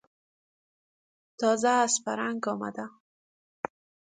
تازه از فرنگ آمده